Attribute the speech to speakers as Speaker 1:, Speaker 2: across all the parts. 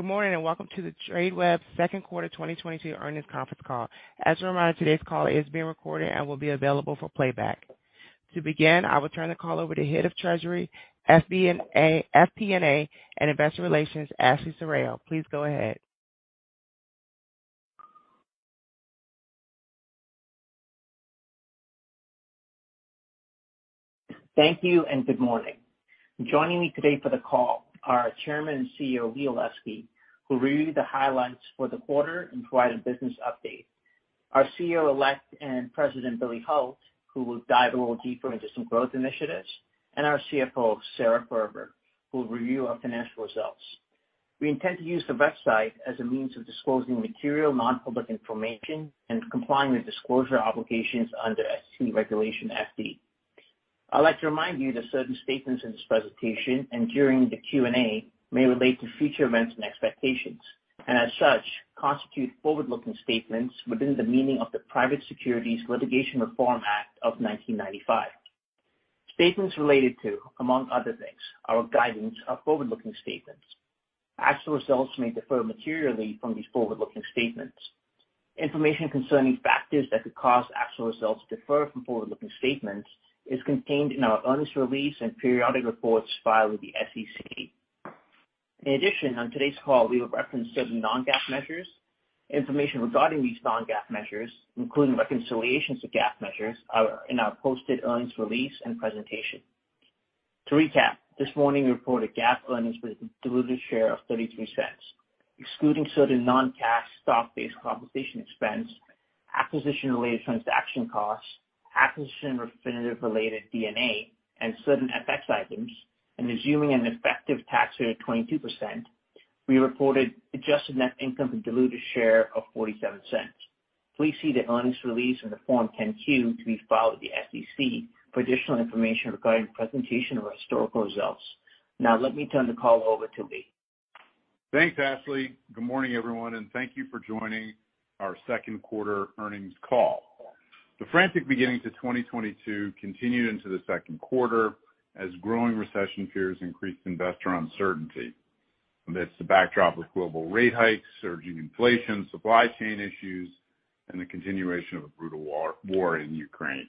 Speaker 1: Good morning, and welcome to the Tradeweb Second Quarter 2022 Earnings Conference Call. As a reminder, today's call is being recorded and will be available for playback. To begin, I will turn the call over to Head of Treasury, FP&A and Investor Relations, Ashley Serrao. Please go ahead.
Speaker 2: Thank you and good morning. Joining me today for the call are Chairman and CEO, Lee Olesky, who will read you the highlights for the quarter and provide a business update. Our CEO-elect and President, Billy Hult, who will dive a little deeper into some growth initiatives, and our CFO, Sara Furber, who will review our financial results. We intend to use the website as a means of disclosing material non-public information and complying with disclosure obligations under SEC Regulation FD. I'd like to remind you that certain statements in this presentation and during the Q&A may relate to future events and expectations. As such, constitute forward-looking statements within the meaning of the Private Securities Litigation Reform Act of 1995. Statements related to, among other things, our guidance are forward-looking statements. Actual results may differ materially from these forward-looking statements. Information concerning factors that could cause actual results to differ from forward-looking statements is contained in our earnings release and periodic reports filed with the SEC. In addition, on today's call, we will reference certain non-GAAP measures. Information regarding these non-GAAP measures, including reconciliations to GAAP measures, are in our posted earnings release and presentation. To recap, this morning we reported GAAP earnings of $0.33 per diluted share. Excluding certain non-cash stock-based compensation expense, acquisition-related transaction costs, acquisition Refinitiv-related D&A, and certain FX items, and assuming an effective tax rate of 22%, we reported adjusted net income of $0.47 per diluted share. Please see the earnings release in the Form 10-Q to be filed with the SEC for additional information regarding presentation of our historical results. Now let me turn the call over to Lee.
Speaker 3: Thanks, Ashley. Good morning, everyone, and thank you for joining our second quarter earnings call. The frantic beginning to 2022 continued into the second quarter as growing recession fears increased investor uncertainty. Amidst the backdrop of global rate hikes, surging inflation, supply chain issues, and the continuation of a brutal war in Ukraine.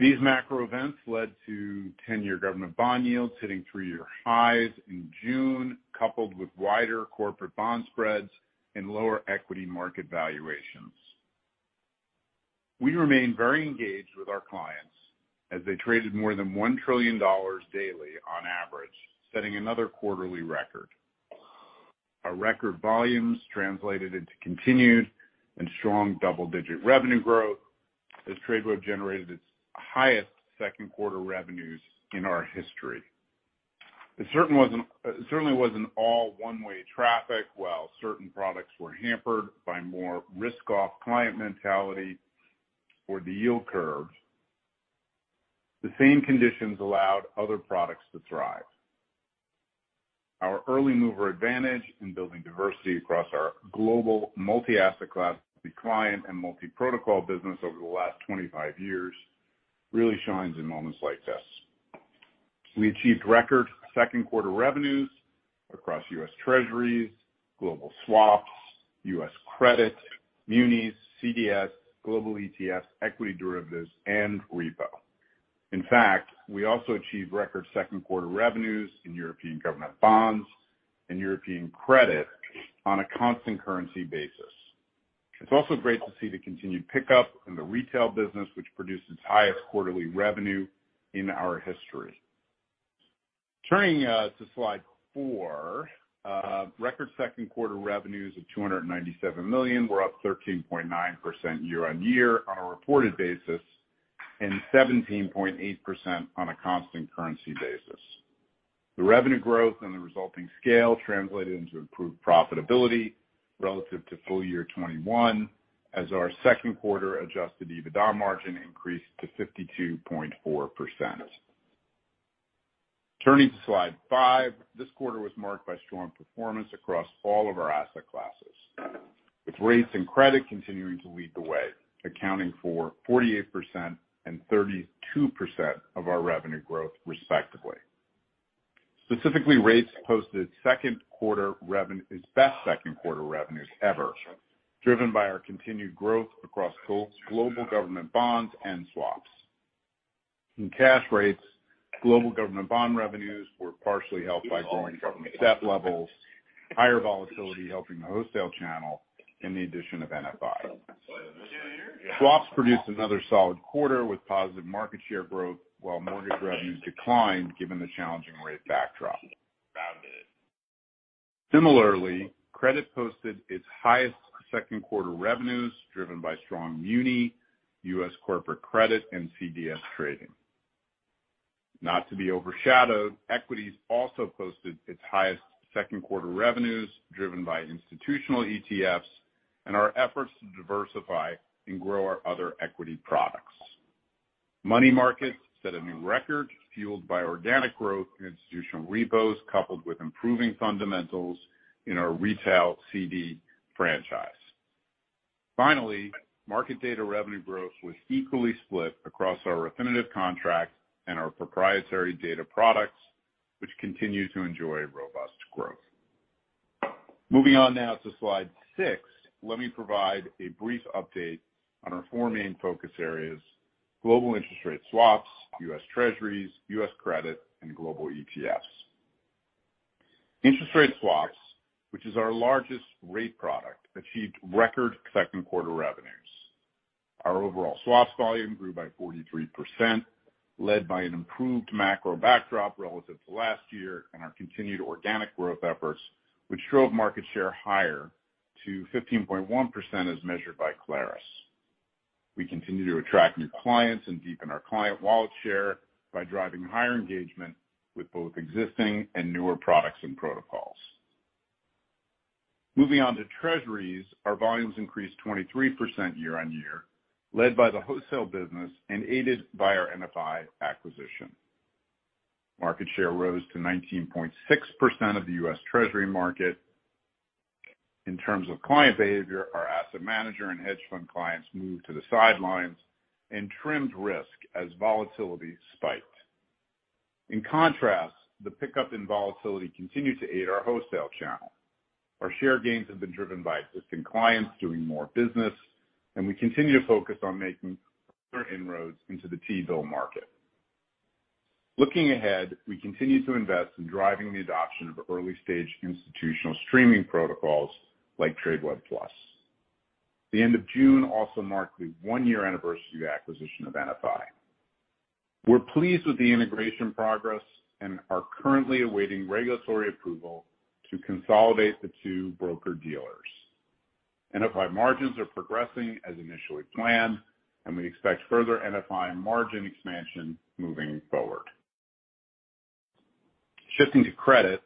Speaker 3: These macro events led to 10-year government bond yields hitting three-year highs in June, coupled with wider corporate bond spreads and lower equity market valuations. We remain very engaged with our clients as they traded more than $1 trillion daily on average, setting another quarterly record. Our record volumes translated into continued and strong double-digit revenue growth as Tradeweb generated its highest second quarter revenues in our history. It certainly wasn't all one-way traffic. While certain products were hampered by more risk-off client mentality or the yield curves, the same conditions allowed other products to thrive. Our early mover advantage in building diversity across our global multi-asset class client and multi-protocol business over the last 25 years really shines in moments like this. We achieved record second quarter revenues across U.S. Treasuries, Global Swaps, U.S. Credits, Munis, CDS, global ETFs, equity derivatives, and repo. In fact, we also achieved record second quarter revenues in European government bonds and European Credit on a constant currency basis. It's also great to see the continued pickup in the retail business, which produced its highest quarterly revenue in our history. Turning to slide four. Record second quarter revenues of $297 million were up 13.9% year-on-year on a reported basis, and 17.8% on a constant currency basis. The revenue growth and the resulting scale translated into improved profitability relative to full year 2021 as our second quarter Adjusted EBITDA margin increased to 52.4%. Turning to slide five. This quarter was marked by strong performance across all of our asset classes, with Rates and Credit continuing to lead the way, accounting for 48% and 32% of our revenue growth respectively. Specifically, Rates posted its best second quarter revenues ever, driven by our continued growth across global government bonds and swaps. In Cash Rates, global government bond revenues were partially helped by growing government debt levels, higher volatility helping the wholesale channel and the addition of NFI. Swaps produced another solid quarter with positive market share growth while mortgage revenues declined given the challenging rate backdrop. Similarly, Credit posted its highest second quarter revenues, driven by strong Muni, U.S. Corporate Credit, and CDS trading. Not to be overshadowed, Equities also posted its highest second quarter revenues driven by institutional ETFs and our efforts to diversify and grow our other equity products. Money markets set a new record fueled by organic growth in institutional repos, coupled with improving fundamentals in our retail CD franchise. Finally, market data revenue growth was equally split across our Refinitiv contract and our proprietary data products, which continue to enjoy robust growth. Moving on now to slide six, let me provide a brief update on our four main focus areas, global interest rate swaps, U.S. Treasuries, U.S. Credit, and global ETFs. Interest rate swaps, which is our largest rate product, achieved record second-quarter revenues. Our overall swaps volume grew by 43%, led by an improved macro backdrop relative to last year and our continued organic growth efforts, which drove market share higher to 15.1% as measured by Clarus. We continue to attract new clients and deepen our client wallet share by driving higher engagement with both existing and newer products and protocols. Moving on to Treasuries. Our volumes increased 23% year-on-year, led by the wholesale business and aided by our NFI acquisition. Market share rose to 19.6% of the U.S. Treasury market. In terms of client behavior, our asset manager and hedge fund clients moved to the sidelines and trimmed risk as volatility spiked. In contrast, the pickup in volatility continued to aid our wholesale channel. Our share gains have been driven by existing clients doing more business, and we continue to focus on making further inroads into the T-bill market. Looking ahead, we continue to invest in driving the adoption of early-stage institutional streaming protocols like Tradeweb AllTrade. The end of June also marked the one-year anniversary of the acquisition of NFI. We're pleased with the integration progress and are currently awaiting regulatory approval to consolidate the two broker-dealers. NFI margins are progressing as initially planned, and we expect further NFI margin expansion moving forward. Shifting to Credit.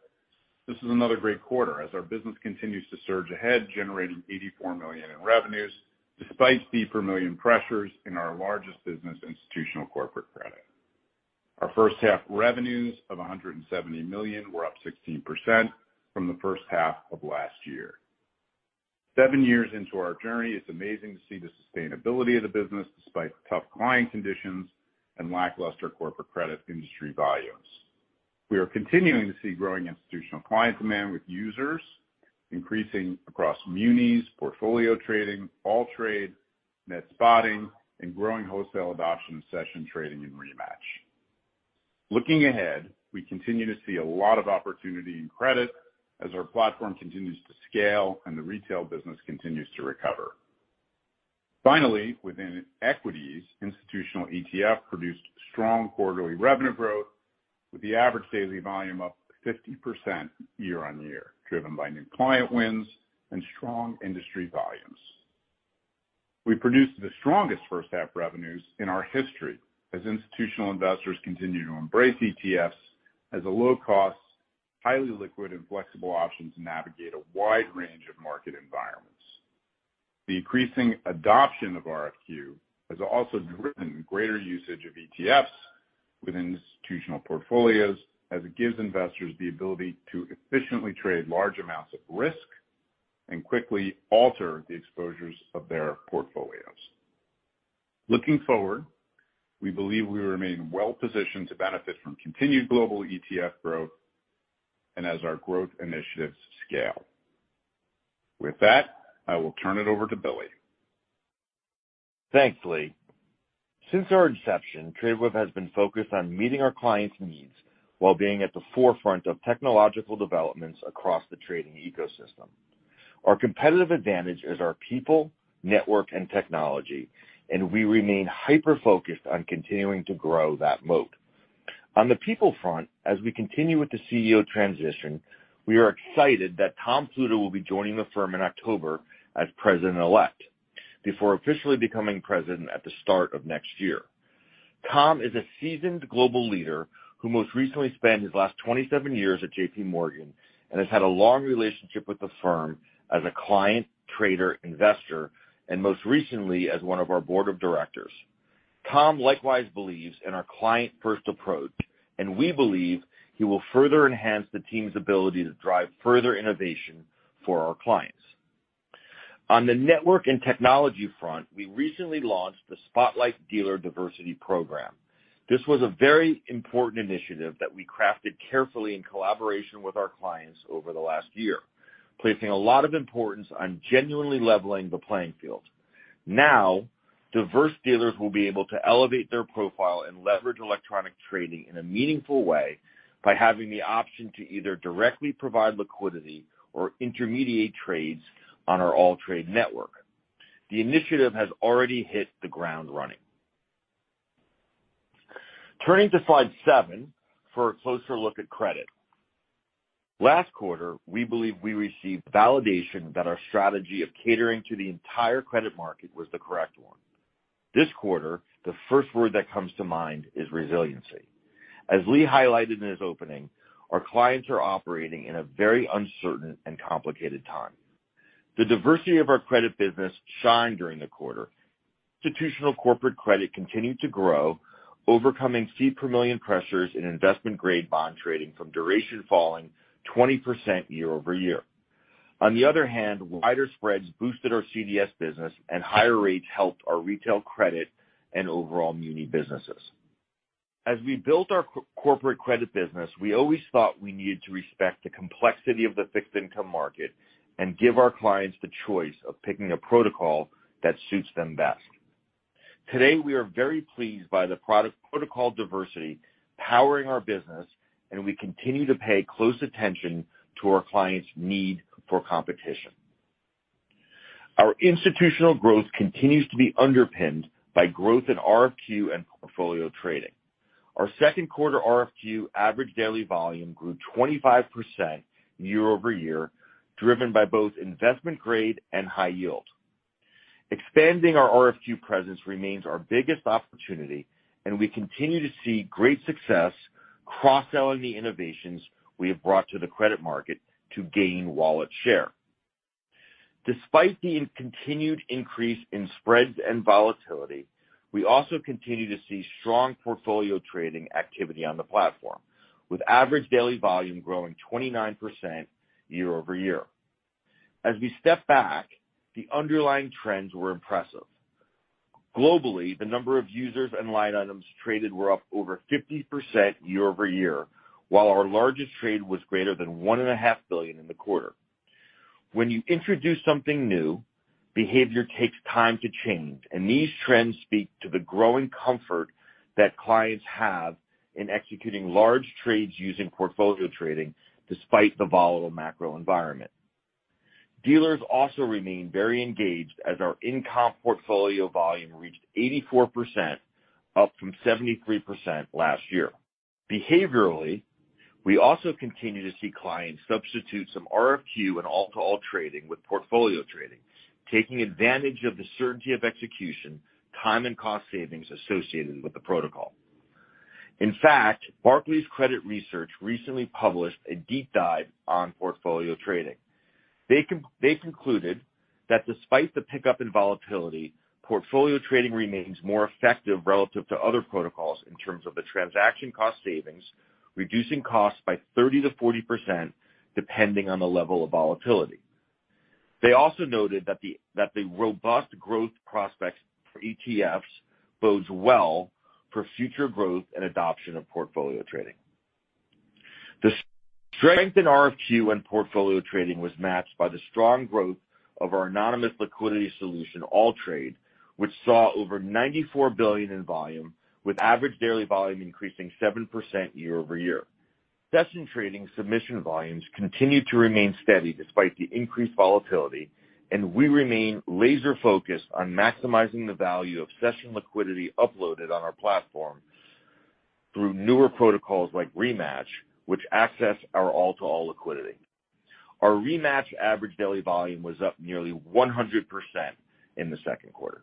Speaker 3: This is another great quarter as our business continues to surge ahead, generating $84 million in revenues despite fee per million pressures in our largest business, institutional Corporate Credit. Our first half revenues of $170 million were up 16% from the first half of last year. Seven years into our journey, it's amazing to see the sustainability of the business despite tough client conditions and lackluster Corporate Credit industry volumes. We are continuing to see growing institutional client demand, with users increasing across Munis, portfolio trading, AllTrade, net spotting, and growing wholesale adoption of session trading and Rematch. Looking ahead, we continue to see a lot of opportunity in Credit as our platform continues to scale and the retail business continues to recover. Finally, within Equities, institutional ETF produced strong quarterly revenue growth, with the average daily volume up 50% year-on-year, driven by new client wins and strong industry volumes. We produced the strongest first half revenues in our history as institutional investors continue to embrace ETFs as a low-cost, highly liquid and flexible option to navigate a wide range of market environments. The increasing adoption of RFQ has also driven greater usage of ETFs within institutional portfolios as it gives investors the ability to efficiently trade large amounts of risk and quickly alter the exposures of their portfolios. Looking forward, we believe we remain well-positioned to benefit from continued global ETF growth and as our growth initiatives scale. With that, I will turn it over to Billy.
Speaker 4: Thanks, Lee. Since our inception, Tradeweb has been focused on meeting our clients' needs while being at the forefront of technological developments across the trading ecosystem. Our competitive advantage is our people, network, and technology, and we remain hyper-focused on continuing to grow that moat. On the people front, as we continue with the CEO transition, we are excited that Tom Pluta will be joining the firm in October as President-elect before officially becoming president at the start of next year. Tom is a seasoned global leader who most recently spent his last 27 years at JPMorgan and has had a long relationship with the firm as a client, trader, investor, and most recently, as one of our board of directors. Tom likewise believes in our client-first approach, and we believe he will further enhance the team's ability to drive further innovation for our clients. On the network and technology front, we recently launched the Spotlight dealer diversity program. This was a very important initiative that we crafted carefully in collaboration with our clients over the last year, placing a lot of importance on genuinely leveling the playing field. Now, diverse dealers will be able to elevate their profile and leverage electronic trading in a meaningful way by having the option to either directly provide liquidity or intermediate trades on our AllTrade network. The initiative has already hit the ground running. Turning to slide seven for a closer look at Credit. Last quarter, we believe we received validation that our strategy of catering to the entire Credit market was the correct one. This quarter, the first word that comes to mind is resiliency. As Lee highlighted in his opening, our clients are operating in a very uncertain and complicated time. The diversity of our Credit business shined during the quarter. Institutional Corporate Credit continued to grow, overcoming fee per million pressures in investment-grade bond trading from duration falling 20% year-over-year. On the other hand, wider spreads boosted our CDS business and higher rates helped our Retail Credit and overall Muni businesses. As we built our Corporate Credit business, we always thought we needed to respect the complexity of the fixed income market and give our clients the choice of picking a protocol that suits them best. Today, we are very pleased by the product protocol diversity powering our business, and we continue to pay close attention to our clients' need for competition. Our institutional growth continues to be underpinned by growth in RFQ and portfolio trading. Our second quarter RFQ average daily volume grew 25% year-over-year, driven by both investment-grade and high yield. Expanding our RFQ presence remains our biggest opportunity, and we continue to see great success cross-selling the innovations we have brought to the Credit market to gain wallet share. Despite the continued increase in spreads and volatility, we also continue to see strong portfolio trading activity on the platform, with average daily volume growing 29% year-over-year. As we step back, the underlying trends were impressive. Globally, the number of users and line items traded were up over 50% year-over-year, while our largest trade was greater than $1.5 billion in the quarter. When you introduce something new, behavior takes time to change, and these trends speak to the growing comfort that clients have in executing large trades using portfolio trading despite the volatile macro environment. Dealers also remain very engaged as our in-comp portfolio volume reached 84%, up from 73% last year. Behaviorally, we also continue to see clients substitute some RFQ and all-to-all trading with portfolio trading, taking advantage of the certainty of execution, time and cost savings associated with the protocol. In fact, Barclays Credit Research recently published a deep dive on portfolio trading. They concluded that despite the pickup in volatility, portfolio trading remains more effective relative to other protocols in terms of the transaction cost savings, reducing costs by 30%-40%, depending on the level of volatility. They also noted that the robust growth prospects for ETFs bodes well for future growth and adoption of portfolio trading. The strength in RFQ and portfolio trading was matched by the strong growth of our anonymous liquidity solution, AllTrade, which saw over $94 billion in volume, with average daily volume increasing 7% year-over-year. Session trading submission volumes continue to remain steady despite the increased volatility, and we remain laser-focused on maximizing the value of session liquidity uploaded on our platform through newer protocols like Rematch, which access our all-to-all liquidity. Our Rematch average daily volume was up nearly 100% in the second quarter.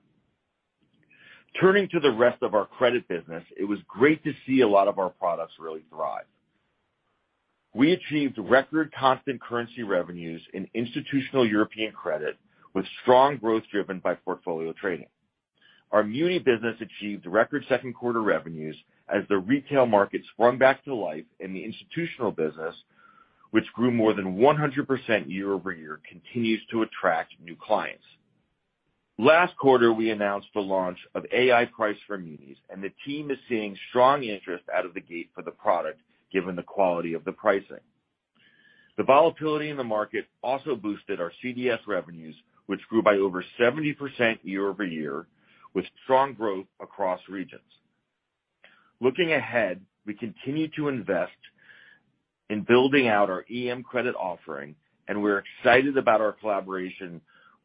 Speaker 4: Turning to the rest of our Credit business, it was great to see a lot of our products really thrive. We achieved record constant currency revenues in institutional European Credit, with strong growth driven by portfolio trading. Our Muni business achieved record second-quarter revenues as the retail market sprung back to life in the institutional business, which grew more than 100% year-over-year, continues to attract new clients. Last quarter, we announced the launch of Ai-Price for Munis, and the team is seeing strong interest out of the gate for the product, given the quality of the pricing. The volatility in the market also boosted our CDS revenues, which grew by over 70% year-over-year, with strong growth across regions. Looking ahead, we continue to invest in building out our EM Credit offering, and we're excited about our collaboration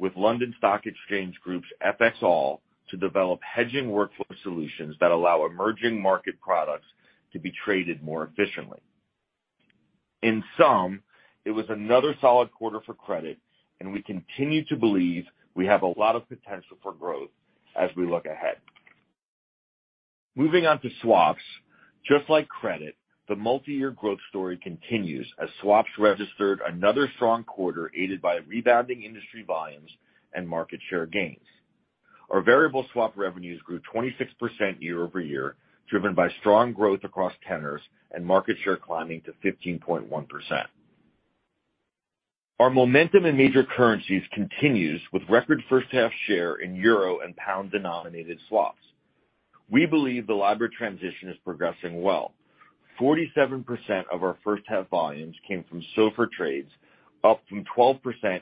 Speaker 4: with London Stock Exchange Group's FXall to develop hedging workflow solutions that allow emerging market products to be traded more efficiently. In sum, it was another solid quarter for Credit, and we continue to believe we have a lot of potential for growth as we look ahead. Moving on to Swaps. Just like Credit, the multiyear growth story continues as swaps registered another strong quarter aided by rebounding industry volumes and market share gains. Our variable swap revenues grew 26% year-over-year, driven by strong growth across tenors and market share climbing to 15.1%. Our momentum in major currencies continues with record first half share in euro and pound-denominated swaps. We believe the LIBOR transition is progressing well. 47% of our first half volumes came from SOFR trades, up from 12%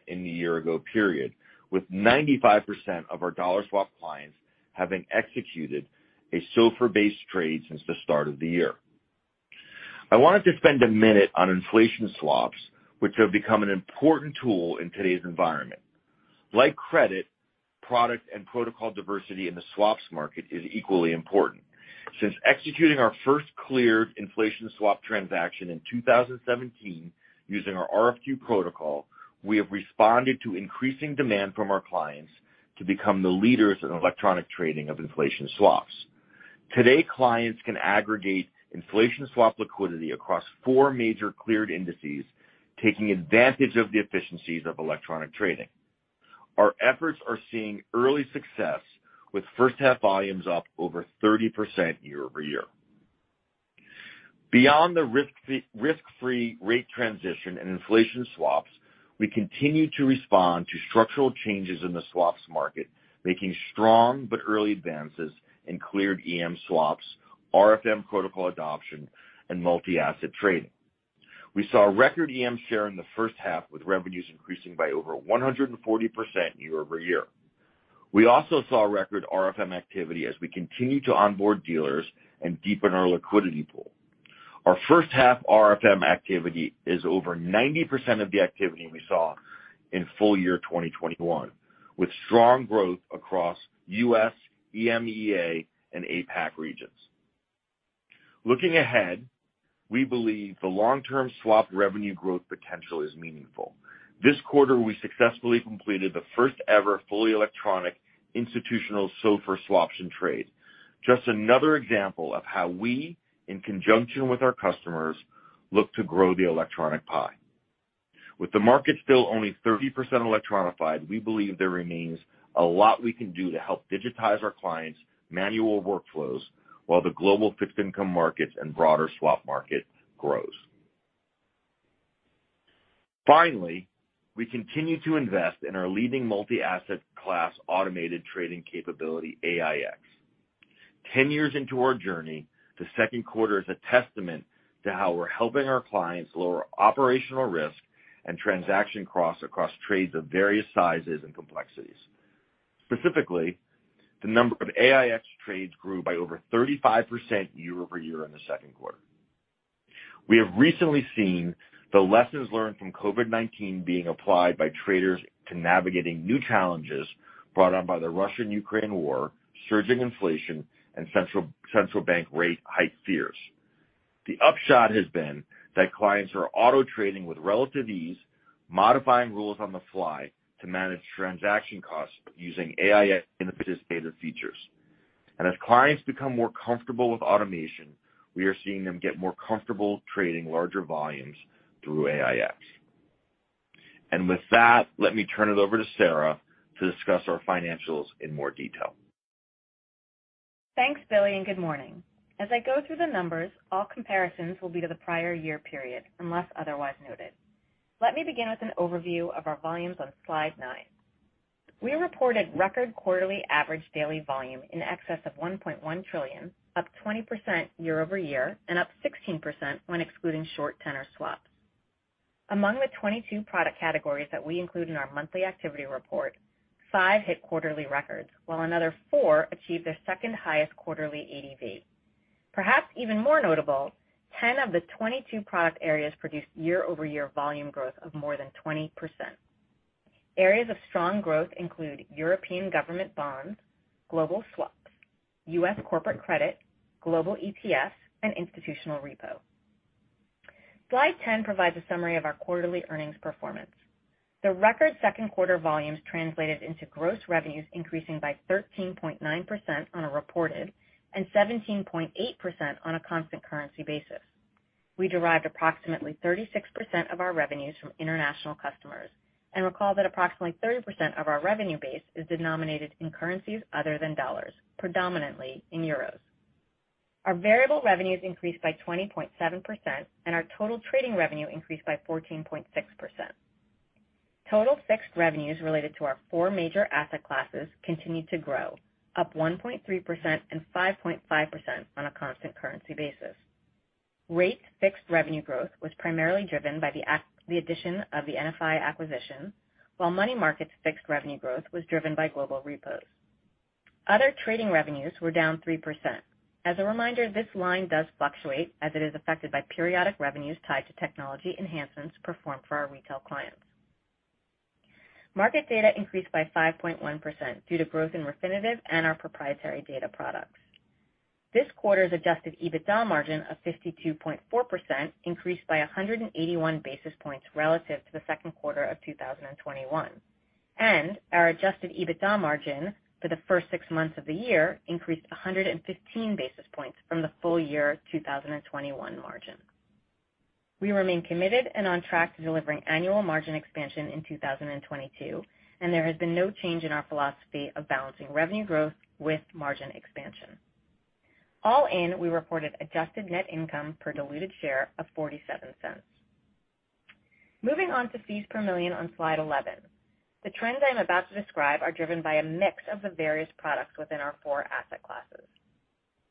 Speaker 4: in the year ago period, with 95% of our dollar swap clients having executed a SOFR-based trade since the start of the year. I wanted to spend a minute on inflation swaps, which have become an important tool in today's environment. Like Credit, product and protocol diversity in the swaps market is equally important. Since executing our first cleared inflation swap transaction in 2017 using our RFQ protocol, we have responded to increasing demand from our clients to become the leaders in electronic trading of inflation swaps. Today, clients can aggregate inflation swap liquidity across four major cleared indices, taking advantage of the efficiencies of electronic trading. Our efforts are seeing early success, with first-half volumes up over 30% year-over-year. Beyond the risk-free rate transition and inflation swaps, we continue to respond to structural changes in the swaps market, making strong but early advances in cleared EM swaps, RFM protocol adoption, and multi-asset trading. We saw record EM share in the first half, with revenues increasing by over 140% year over year. We also saw record RFM activity as we continue to onboard dealers and deepen our liquidity pool. Our first-half RFM activity is over 90% of the activity we saw in full-year 2021, with strong growth across U.S., EMEA, and APAC regions. Looking ahead, we believe the long-term Swap revenue growth potential is meaningful. This quarter, we successfully completed the first-ever fully electronic institutional SOFR swaps and trade. Just another example of how we, in conjunction with our customers, look to grow the electronic pie. With the market still only 30% electronified, we believe there remains a lot we can do to help digitize our clients' manual workflows while the global fixed income markets and broader Swap market grows. Finally, we continue to invest in our leading multi-asset class automated trading capability, AiEX. 10 years into our journey, the second quarter is a testament to how we're helping our clients lower operational risk and transaction costs across trades of various sizes and complexities. Specifically, the number of AiEX trades grew by over 35% year-over-year in the second quarter. We have recently seen the lessons learned from COVID-19 being applied by traders to navigating new challenges brought on by the Russia-Ukraine War, surging inflation, and central bank rate hike fears. The upshot has been that clients are auto-trading with relative ease, modifying rules on the fly to manage transaction costs using AiEX innovative features. As clients become more comfortable with automation, we are seeing them get more comfortable trading larger volumes through AiEX. With that, let me turn it over to Sara to discuss our financials in more detail.
Speaker 5: Thanks, Billy, and good morning. As I go through the numbers, all comparisons will be to the prior year period, unless otherwise noted. Let me begin with an overview of our volumes on slide nine. We reported record quarterly average daily volume in excess of 1.1 trillion, up 20% year-over-year and up 16% when excluding short tenor swaps. Among the 22 product categories that we include in our monthly activity report, five hit quarterly records, while another four achieved their second-highest quarterly ADV. Perhaps even more notable, 10 of the 22 product areas produced year-over-year volume growth of more than 20%. Areas of strong growth include European government bonds, Global Swaps, U.S. Corporate Credit, global ETFs, and institutional repo. Slide 10 provides a summary of our quarterly earnings performance. The record second-quarter volumes translated into gross revenues increasing by 13.9% on a reported basis and 17.8% on a constant currency basis. We derived approximately 36% of our revenues from international customers and recall that approximately 30% of our revenue base is denominated in currencies other than dollars, predominantly in euros. Our variable revenues increased by 20.7%, and our total trading revenue increased by 14.6%. Total fixed revenues related to our four major asset classes continued to grow, up 1.3% and 5.5% on a constant currency basis. Rate fixed revenue growth was primarily driven by the addition of the NFI acquisition, while money markets fixed revenue growth was driven by global repos. Other trading revenues were down 3%. As a reminder, this line does fluctuate as it is affected by periodic revenues tied to technology enhancements performed for our retail clients. Market data increased by 5.1% due to growth in Refinitiv and our proprietary data products. This quarter's Adjusted EBITDA margin of 52.4% increased by 181 basis points relative to the second quarter of 2021. Our Adjusted EBITDA margin for the first six months of the year increased 115 basis points from the full year 2021 margin. We remain committed and on track to delivering annual margin expansion in 2022, and there has been no change in our philosophy of balancing revenue growth with margin expansion. All in, we reported adjusted net income per diluted share of $0.47. Moving on to fees per million on slide 11. The trends I'm about to describe are driven by a mix of the various products within our four asset classes.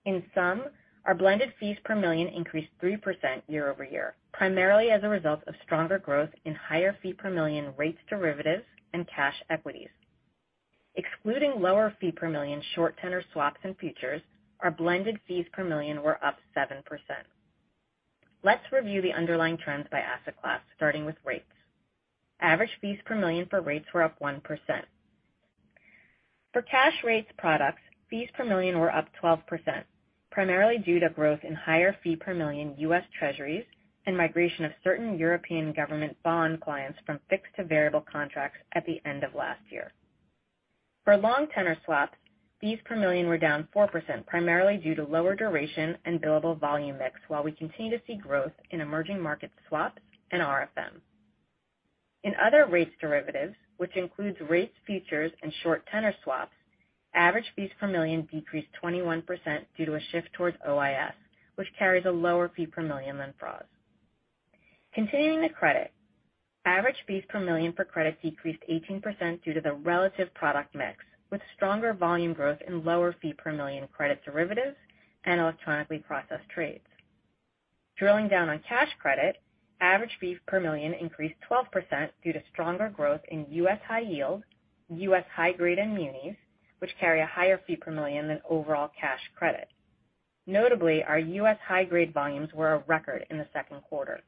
Speaker 5: In sum, our blended fees per million increased 3% year-over-year, primarily as a result of stronger growth in higher fee per million Rates derivatives and cash Equities. Excluding lower fee per million short tenor swaps and futures, our blended fees per million were up 7%. Let's review the underlying trends by asset class, starting with Rates. Average fees per million for Rates were up 1%. For Cash Rates products, fees per million were up 12%, primarily due to growth in higher fee per million U.S. Treasuries and migration of certain European government bond clients from fixed to variable contracts at the end of last year. For long tenor swaps, fees per million were down 4%, primarily due to lower duration and billable volume mix while we continue to see growth in emerging market swaps and RFM. In other Rates derivatives, which includes Rates, futures, and short tenor swaps, average fees per million decreased 21% due to a shift towards OIS, which carries a lower fee per million than FRAs. Continuing to Credit. Average fees per million for Credit decreased 18% due to the relative product mix, with stronger volume growth and lower fee per million Credit derivatives and electronically processed trades. Drilling down on Cash Credit, average fees per million increased 12% due to stronger growth in U.S. high yield, U.S. high grade and Munis, which carry a higher fee per million than overall Cash Credit. Notably, our U.S. high grade volumes were a record in the second quarter.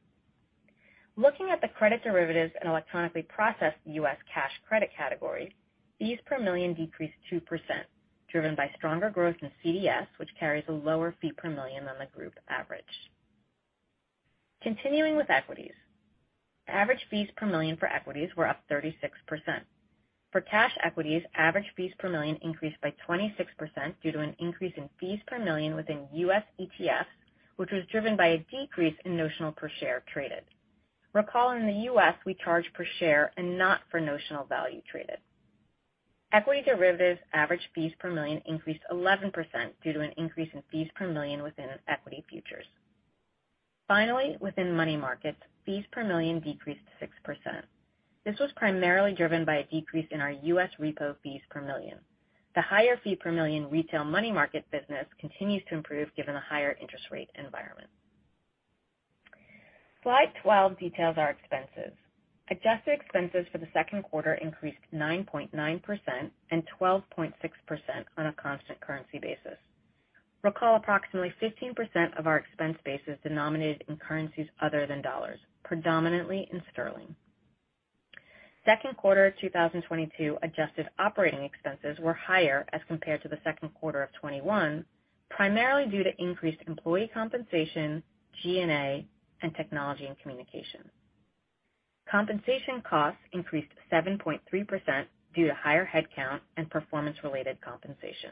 Speaker 5: Looking at the Credit derivatives and electronically processed U.S. Cash Credit category, fees per million decreased 2%, driven by stronger growth in CDS, which carries a lower fee per million than the group average. Continuing with Equities. Average fees per million for Equities were up 36%. For cash Equities, average fees per million increased by 26% due to an increase in fees per million within U.S. ETFs, which was driven by a decrease in notional per share traded. Recall in the U.S., we charge per share and not for notional value traded. Equity derivatives average fees per million increased 11% due to an increase in fees per million within equity futures. Finally, within money markets, fees per million decreased 6%. This was primarily driven by a decrease in our U.S. Repo fees per million. The higher fee per million retail money market business continues to improve given the higher interest rate environment. Slide 12 details our expenses. Adjusted expenses for the second quarter increased 9.9% and 12.6% on a constant currency basis. Recall approximately 15% of our expense base is denominated in currencies other than dollars, predominantly in sterling. Second quarter 2022 adjusted operating expenses were higher as compared to the second quarter of 2021, primarily due to increased employee compensation, G&A, and technology and communication. Compensation costs increased 7.3% due to higher headcount and performance-related compensation.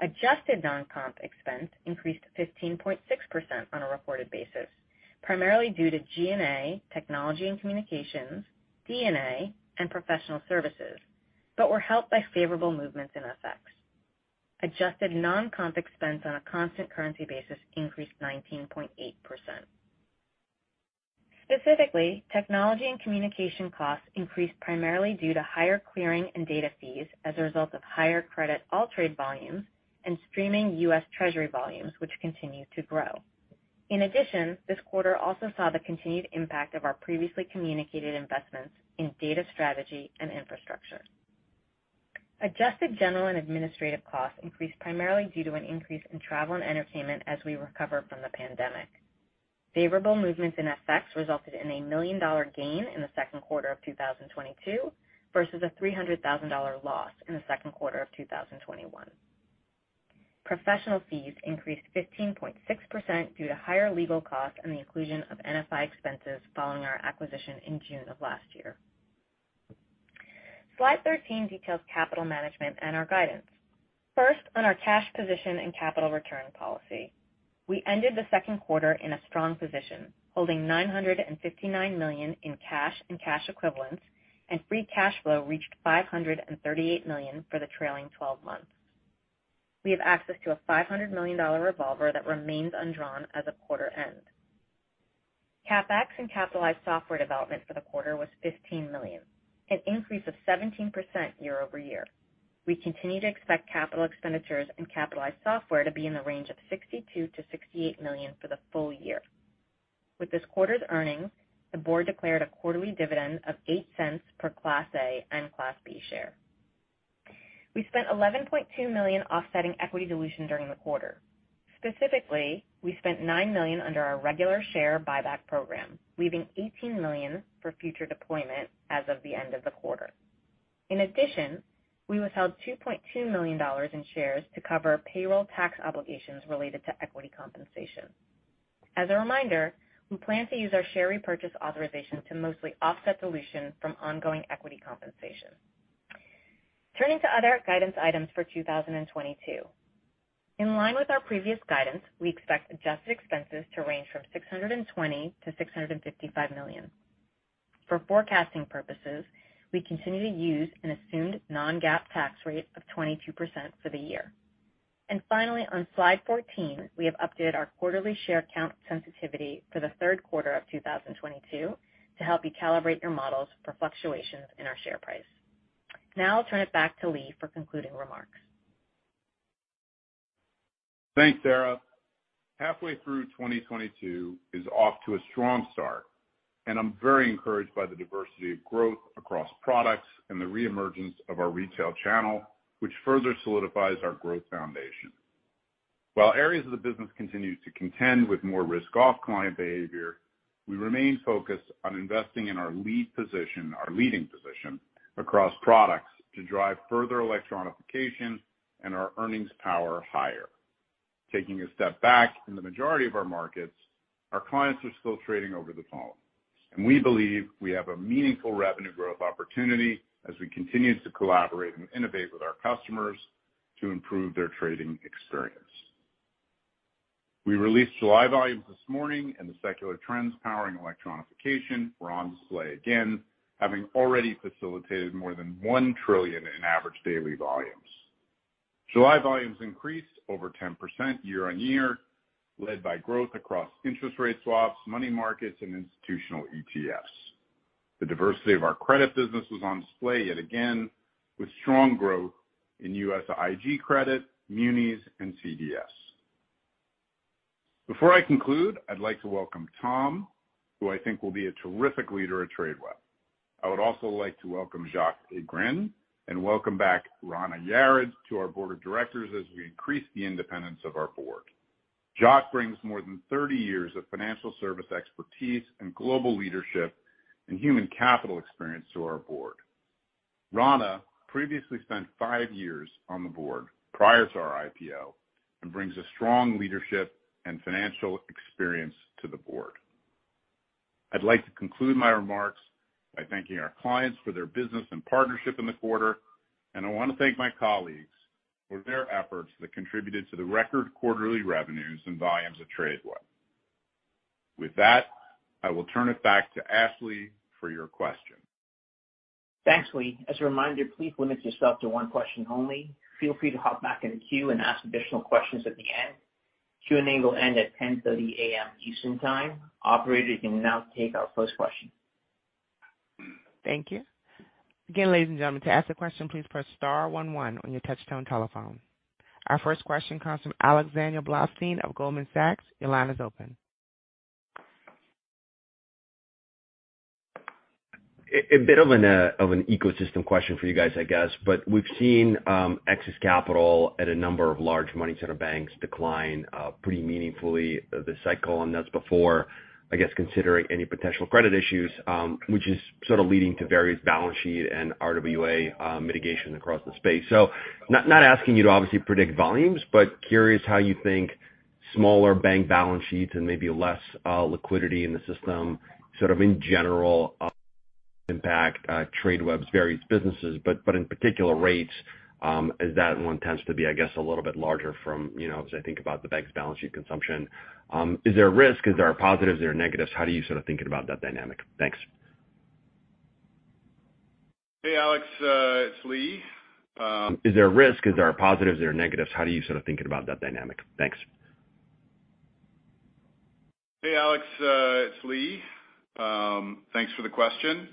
Speaker 5: Adjusted non-comp expense increased 15.6% on a reported basis, primarily due to G&A, technology and communications, D&A, and professional services, but were helped by favorable movements in FX. Adjusted non-comp expense on a constant currency basis increased 19.8%. Specifically, technology and communication costs increased primarily due to higher clearing and data fees as a result of higher Credit AllTrade volumes and streaming U.S. Treasury volumes, which continue to grow. In addition, this quarter also saw the continued impact of our previously comMunicated investments in data strategy and infrastructure. Adjusted general and administrative costs increased primarily due to an increase in travel and entertainment as we recover from the pandemic. Favorable movements in FX resulted in a $1 million gain in the second quarter of 2022 versus a $300,000 loss in the second quarter of 2021. Professional fees increased 15.6% due to higher legal costs and the inclusion of NFI expenses following our acquisition in June of last year. Slide 13 details capital management and our guidance. First, on our cash position and capital return policy. We ended the second quarter in a strong position, holding $959 million in cash and cash equivalents, and free cash flow reached $538 million for the trailing twelve months. We have access to a $500 million revolver that remains undrawn as of quarter end. CapEx and capitalized software development for the quarter was $15 million, an increase of 17% year-over-year. We continue to expect capital expenditures and capitalized software to be in the range of $62 million-$68 million for the full year. With this quarter's earnings, the board declared a quarterly dividend of $0.08 per Class A and Class B share. We spent $11.2 million offsetting equity dilution during the quarter. Specifically, we spent $9 million under our regular share buyback program, leaving $18 million for future deployment as of the end of the quarter. In addition, we withheld $2.2 million in shares to cover payroll tax obligations related to equity compensation. As a reminder, we plan to use our share repurchase authorization to mostly offset dilution from ongoing equity compensation. Turning to other guidance items for 2022. In line with our previous guidance, we expect adjusted expenses to range from $620 million-$655 million. For forecasting purposes, we continue to use an assumed non-GAAP tax rate of 22% for the year. Finally, on slide 14, we have updated our quarterly share count sensitivity for the third quarter of 2022 to help you calibrate your models for fluctuations in our share price. Now I'll turn it back to Lee for concluding remarks.
Speaker 3: Thanks, Sara. Halfway through, 2022 is off to a strong start, and I'm very encouraged by the diversity of growth across products and the reemergence of our retail channel, which further solidifies our growth foundation. While areas of the business continue to contend with more risk-off client behavior, we remain focused on investing in our leading position across products to drive further electronification and our earnings power higher. Taking a step back, in the majority of our markets, our clients are still trading over the phone, and we believe we have a meaningful revenue growth opportunity as we continue to collaborate and innovate with our customers to improve their trading experience. We released July volumes this morning, and the secular trends powering electronification were on display again, having already facilitated more than 1 trillion in average daily volumes. July volumes increased over 10% year-on-year, led by growth across interest rate swaps, money markets, and institutional ETFs. The diversity of our Credit business was on display yet again, with strong growth in U.S. IG Credit, Munis, and CDS. Before I conclude, I'd like to welcome Tom, who I think will be a terrific leader at Tradeweb. I would also like to welcome Jacques Aigrain and welcome back Rana Yared to our board of directors as we increase the independence of our board. Jacques brings more than 30 years of financial service expertise and global leadership and human capital experience to our board. Rana previously spent five years on the board prior to our IPO and brings a strong leadership and financial experience to the board. I'd like to conclude my remarks by thanking our clients for their business and partnership in the quarter, and I want to thank my colleagues for their efforts that contributed to the record quarterly revenues and volumes of Tradeweb. With that, I will turn it back to Ashley for your questions.
Speaker 2: Thanks, Lee. As a reminder, please limit yourself to one question only. Feel free to hop back in the queue and ask additional questions at the end. Q&A will end at 10:30 A.M. Eastern time. Operator, you can now take our first question.
Speaker 1: Thank you. Again, ladies and gentlemen, to ask a question, please press star one one on your touch-tone telephone. Our first question comes from Alex Blostein of Goldman Sachs. Your line is open.
Speaker 6: A bit of an ecosystem question for you guys, I guess, but we've seen excess capital at a number of large money center banks decline pretty meaningfully the cycle, and that's before, I guess, considering any potential Credit issues, which is sort of leading to various balance sheet and RWA mitigation across the space. Not asking you to obviously predict volumes, but curious how you think smaller bank balance sheets and maybe less liquidity in the system, sort of in general, impact Tradeweb's various businesses, but in particular Rates, as that one tends to be, I guess, a little bit larger from, you know, as I think about the bank's balance sheet consumption. Is there a risk? Are there positives, are there negatives? How are you sort of thinking about that dynamic? Thanks.
Speaker 3: Hey, Alex, it's Lee.
Speaker 6: Is there a risk? Are there positives, there are negatives? How are you sort of thinking about that dynamic? Thanks.
Speaker 3: Hey, Alex, it's Lee. Thanks for the question.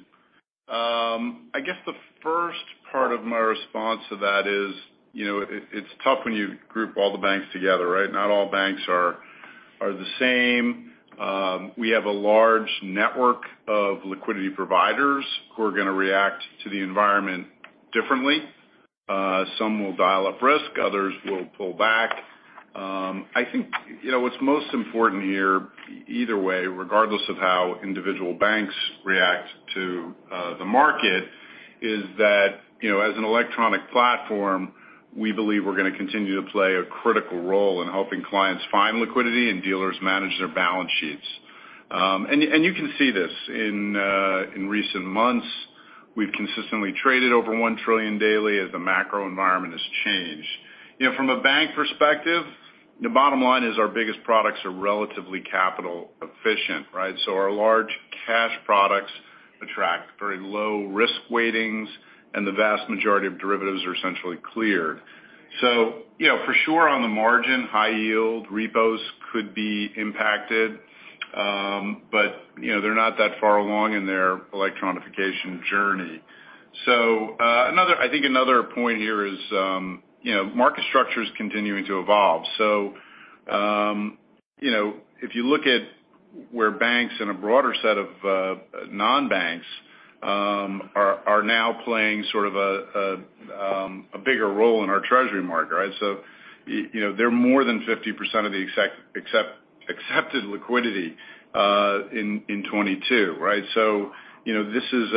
Speaker 3: I guess the first part of my response to that is, you know, it's tough when you group all the banks together, right? Not all banks are the same. We have a large network of liquidity providers who are gonna react to the environment differently. Some will dial up risk, others will pull back. I think, you know, what's most important here, either way, regardless of how individual banks react to the market, is that, you know, as an electronic platform, we believe we're gonna continue to play a critical role in helping clients find liquidity and dealers manage their balance sheets. You can see this. In recent months, we've consistently traded over $1 trillion daily as the macro environment has changed. You know, from a bank perspective, the bottom line is our biggest products are relatively capital efficient, right? Our large cash products attract very low risk weightings, and the vast majority of derivatives are essentially cleared. You know, for sure on the margin, high yield repos could be impacted, but, you know, they're not that far along in their electronification journey. I think another point here is, you know, market structure is continuing to evolve. You know, if you look at where banks and a broader set of non-banks are now playing sort of a bigger role in our treasury market, right? You know, they're more than 50% of the accepted liquidity in 2022, right? You know, this is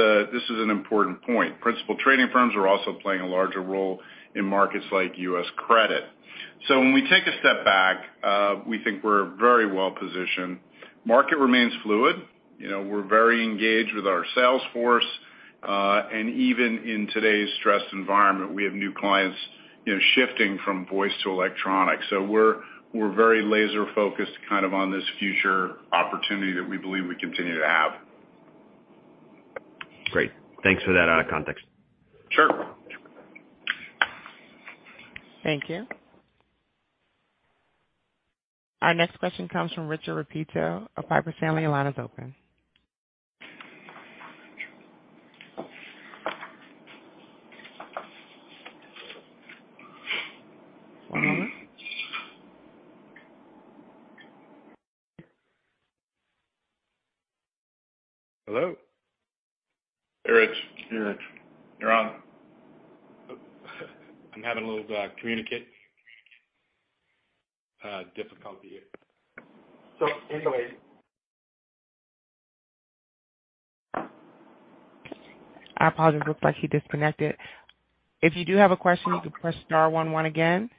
Speaker 3: an important point. Principal trading firms are also playing a larger role in markets like U.S. Credit. When we take a step back, we think we're very well positioned. Market remains fluid. You know, we're very engaged with our sales force, and even in today's stressed environment, we have new clients, you know, shifting from voice to electronic. We're very laser-focused kind of on this future opportunity that we believe we continue to have.
Speaker 6: Great. Thanks for that context.
Speaker 3: Sure.
Speaker 1: Thank you. Our next question comes from Rich Repetto of Piper Sandler. Your line is open. One moment.
Speaker 2: Hello?
Speaker 3: Hey, Rich. You're on.
Speaker 1: Our apologies. Looks like he disconnected. If you do have a question, you can press star one one again.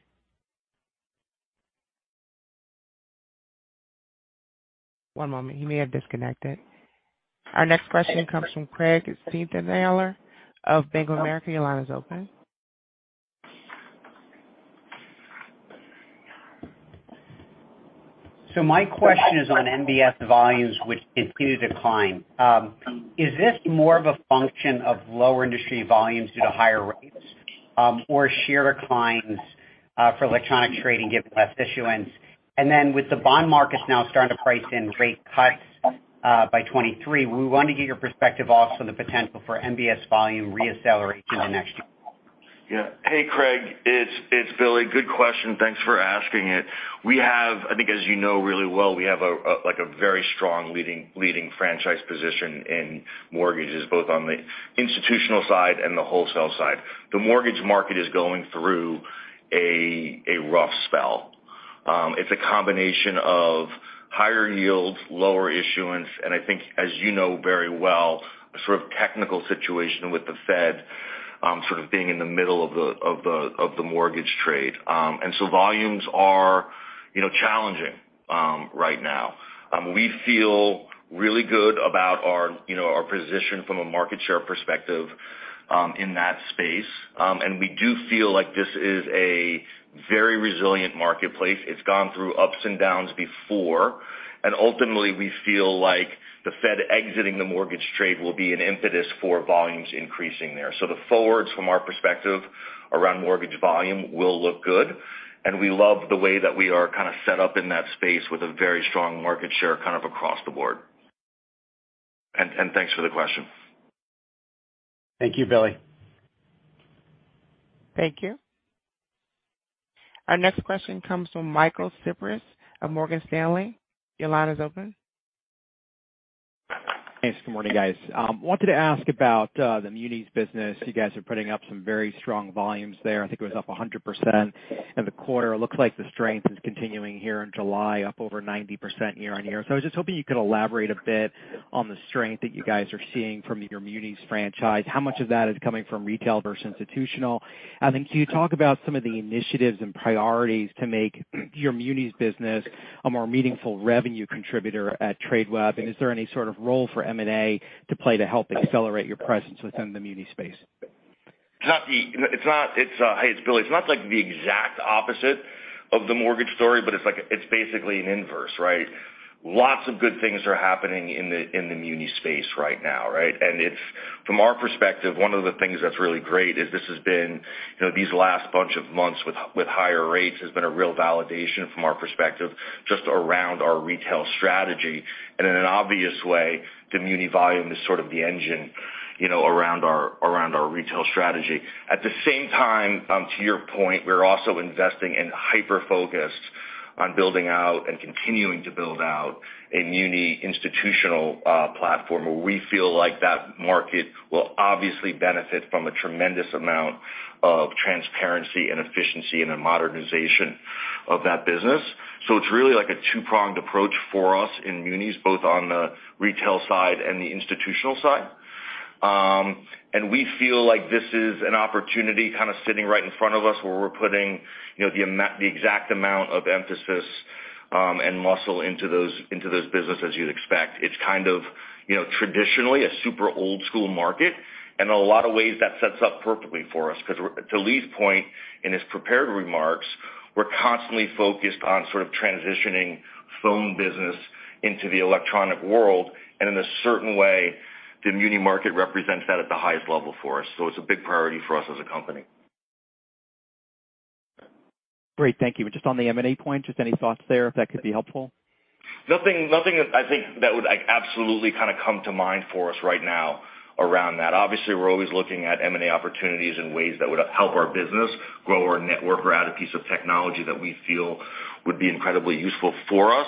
Speaker 1: One moment. He may have disconnected. Our next question comes from Craig Siegenthaler of Bank of America. Your line is open.
Speaker 7: My question is on MBS volumes, which continue to decline. Is this more of a function of lower industry volumes due to higher rates, or share declines, for electronic trading given less issuance? With the bond markets now starting to price in rate cuts, by 2023, we want to get your perspective also on the potential for MBS volume re-acceleration next year.
Speaker 4: Hey, Craig, it's Billy. Good question. Thanks for asking it. I think, as you know really well, we have, like, a very strong leading franchise position in mortgages, both on the institutional side and the wholesale side. The mortgage market is going through a rough spell. It's a combination of higher yields, lower issuance, and I think, as you know very well, a sort of technical situation with the Fed, sort of being in the middle of the mortgage trade. Volumes are, you know, challenging right now. We feel really good about our, you know, our position from a market share perspective in that space. We do feel like this is a very resilient marketplace. It's gone through ups and downs before, and ultimately we feel like the Fed exiting the mortgage trade will be an impetus for volumes increasing there. The forwards from our perspective around mortgage volume will look good, and we love the way that we are kind of set up in that space with a very strong market share kind of across the board. Thanks for the question.
Speaker 7: Thank you, Billy.
Speaker 1: Thank you. Our next question comes from Michael Cyprys of Morgan Stanley. Your line is open.
Speaker 8: Thanks. Good morning, guys. Wanted to ask about the Munis business. You guys are putting up some very strong volumes there. I think it was up 100% in the quarter. It looks like the strength is continuing here in July, up over 90% year-on-year. I was just hoping you could elaborate a bit on the strength that you guys are seeing from your Munis franchise. How much of that is coming from retail versus institutional? Then can you talk about some of the initiatives and priorities to make your Munis business a more meaningful revenue contributor at Tradeweb? Is there any sort of role for M&A to play to help accelerate your presence within the Muni space?
Speaker 4: Hey, it's Billy. It's not, like, the exact opposite of the mortgage story, but it's like, it's basically an inverse, right? Lots of good things are happening in the Muni space right now, right? It's, from our perspective, one of the things that's really great is this has been, you know, these last bunch of months with higher rates has been a real validation from our perspective just around our retail strategy. In an obvious way, the Muni volume is sort of the engine, you know, around our retail strategy. At the same time, to your point, we're also investing and hyper-focused on building out and continuing to build out a Muni institutional platform where we feel like that market will obviously benefit from a tremendous amount of transparency and efficiency and a modernization of that business. It's really like a two-pronged approach for us in Munis, both on the retail side and the institutional side. We feel like this is an opportunity kind of sitting right in front of us where we're putting, you know, the exact amount of emphasis and muscle into those businesses you'd expect. It's kind of, you know, traditionally a super old-school market, and in a lot of ways that sets up perfectly for us because we're. To Lee's point in his prepared remarks, we're constantly focused on sort of transitioning phone business into the electronic world, and in a certain way, the Muni market represents that at the highest level for us. It's a big priority for us as a company.
Speaker 8: Great. Thank you. Just on the M&A point, just any thoughts there, if that could be helpful.
Speaker 4: Nothing that I think that would, like, absolutely kind of come to mind for us right now around that. Obviously, we're always looking at M&A opportunities and ways that would help our business grow our network or add a piece of technology that we feel would be incredibly useful for us.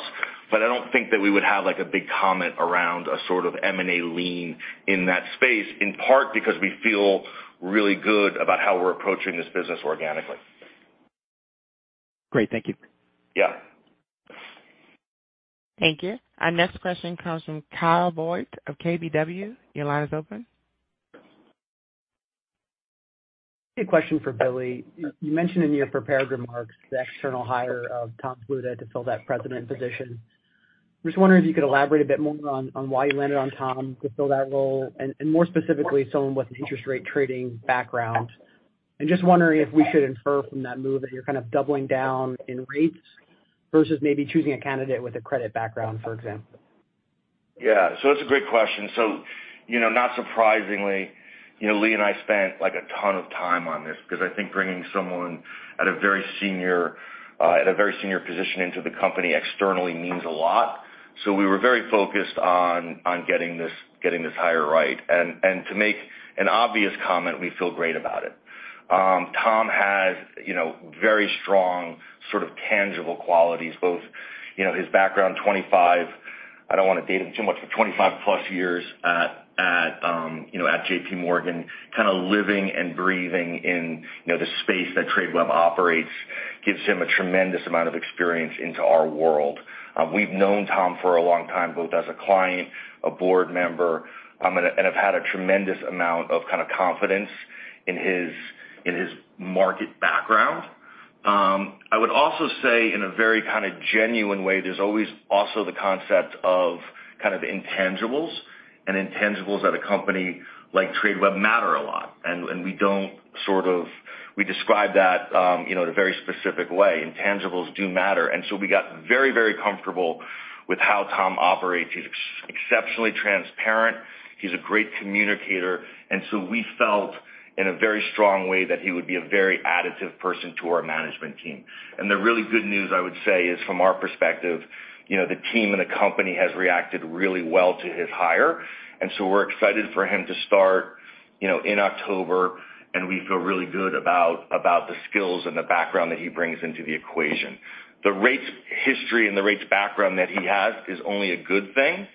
Speaker 4: I don't think that we would have, like, a big comment around a sort of M&A lean in that space, in part because we feel really good about how we're approaching this business organically.
Speaker 8: Great. Thank you.
Speaker 4: Yeah.
Speaker 1: Thank you. Our next question comes from Kyle Voigt of KBW. Your line is open.
Speaker 9: A question for Billy. You mentioned in your prepared remarks the external hire of Thomas Pluta to fill that President position. I'm just wondering if you could elaborate a bit more on why you landed on Tom to fill that role and more specifically, someone with an interest rate trading background. Just wondering if we should infer from that move that you're kind of doubling down in Rates versus maybe choosing a candidate with a Credit background, for example.
Speaker 4: Yeah. It's a great question. You know, not surprisingly, you know, Lee and I spent, like, a ton of time on this because I think bringing someone at a very senior position into the company externally means a lot. We were very focused on getting this hire right. And to make an obvious comment, we feel great about it. Tom has, you know, very strong sort of tangible qualities, both, you know, his background, 25... I don't want to date him too much, but 25+ years at JPMorgan, kind of living and breathing in, you know, the space that Tradeweb opeRates. Gives him a tremendous amount of experience into our world. We've known Tom for a long time, both as a client, a board member, and I've had a tremendous amount of kind of confidence in his market background. I would also say in a very kind of genuine way, there's always also the concept of kind of intangibles, and intangibles at a company like Tradeweb matter a lot. We describe that, you know, in a very specific way. Intangibles do matter. We got very, very comfortable with how Tom opeRates. He's exceptionally transparent. He's a great comMunicator. We felt in a very strong way that he would be a very additive person to our management team. The really good news, I would say, is from our perspective, you know, the team and the company has reacted really well to his hire, and so we're excited for him to start, you know, in October, and we feel really good about the skills and the background that he brings into the equation. The Rates history and the Rates background that he has is only a good thing.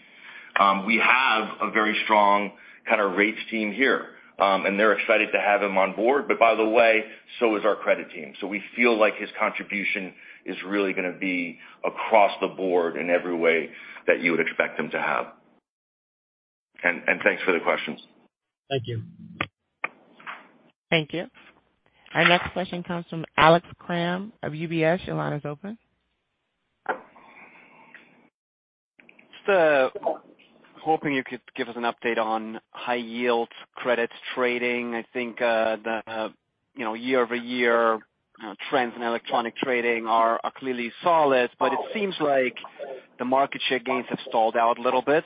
Speaker 4: We have a very strong kind of Rates team here, and they're excited to have him on board. By the way, so is our Credit team. We feel like his contribution is really gonna be across the board in every way that you would expect him to have. Thanks for the questions.
Speaker 9: Thank you.
Speaker 1: Thank you. Our next question comes from Alex Kramm of UBS. Your line is open.
Speaker 10: Just hoping you could give us an update on high yield Credits trading. I think the you know year-over-year trends in electronic trading are clearly solid, but it seems like the market share gains have stalled out a little bit.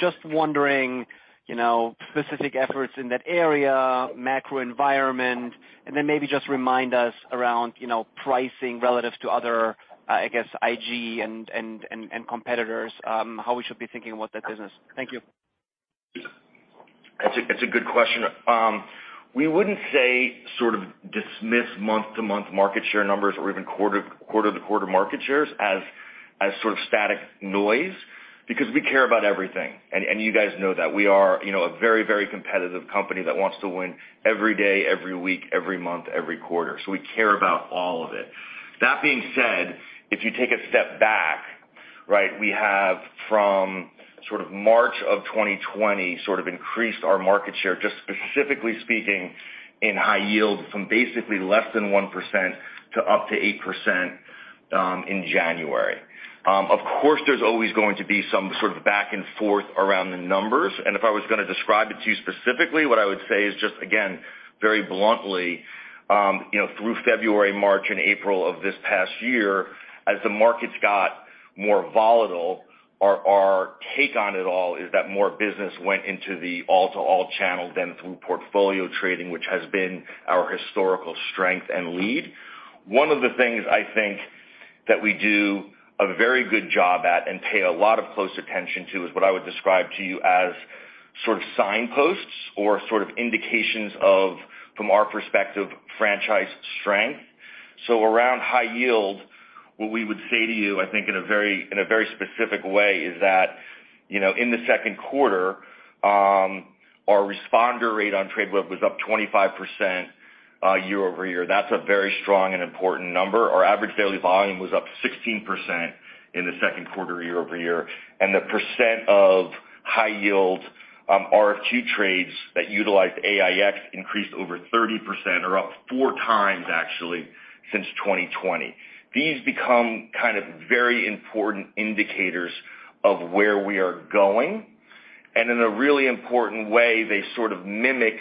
Speaker 10: Just wondering you know specific efforts in that area, macro environment, and then maybe just remind us around you know pricing relative to other I guess IG and competitors how we should be thinking about that business. Thank you.
Speaker 4: That's a good question. We wouldn't say sort of dismiss month-to-month market share numbers or even quarter-to-quarter market shares as sort of static noise because we care about everything. You guys know that we are, you know, a very, very competitive company that wants to win every day, every week, every month, every quarter. We care about all of it. That being said, if you take a step back, right? We have from sort of March of 2020 sort of increased our market share, just specifically speaking in high yield from basically less than 1% to up to 8%, in January. Of course, there's always going to be some sort of back and forth around the numbers. If I was gonna describe it to you specifically, what I would say is, just again, very bluntly, you know, through February, March, and April of this past year, as the markets got more volatile, our take on it all is that more business went into the all-to-all channel than through portfolio trading, which has been our historical strength and lead. One of the things I think that we do a very good job at and pay a lot of close attention to is what I would describe to you as sort of signposts or sort of indications of, from our perspective, franchise strength. Around high yield, what we would say to you, I think in a very specific way, is that, you know, in the second quarter, our responder rate on Tradeweb was up 25%, year-over-year. That's a very strong and important number. Our average daily volume was up 16% in the second quarter year-over-year, and the percent of high yield RFQ trades that utilized AiEX increased over 30% or up 4x actually since 2020. These become kind of very important indicators of where we are going. In a really important way, they sort of mimic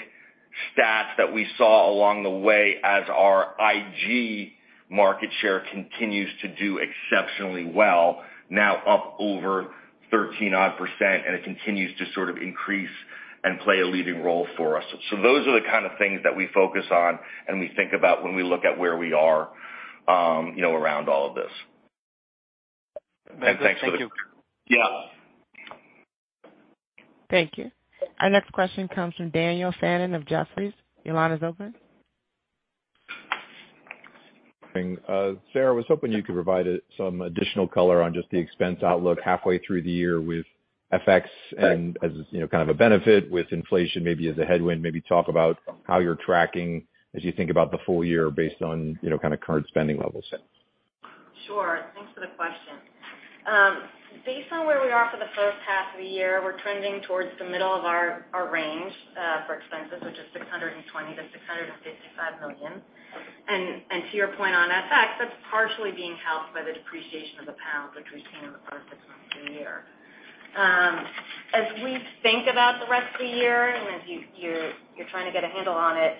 Speaker 4: stats that we saw along the way as our IG market share continues to do exceptionally well, now up over 13%-odd, and it continues to sort of increase and play a leading role for us. Those are the kind of things that we focus on and we think about when we look at where we are, you know, around all of this.
Speaker 10: Thank you.
Speaker 4: Yeah.
Speaker 1: Thank you. Our next question comes from Dan Fannon of Jefferies. Your line is open.
Speaker 11: Sara, I was hoping you could provide some additional color on just the expense outlook halfway through the year with FX and as, you know, kind of a benefit with inflation maybe as a headwind. Maybe talk about how you're tracking as you think about the full year based on, you know, kind of current spending levels.
Speaker 5: Sure. Thanks for the question. Based on where we are for the first half of the year, we're trending towards the middle of our range for expenses, which is $620 million-$655 million. To your point on FX, that's partially being helped by the depreciation of the pound, which we've seen in the first six months of the year. As we think about the rest of the year, and as you're trying to get a handle on it,